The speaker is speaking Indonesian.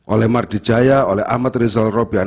oleh mardijaya oleh ahmad rizal robian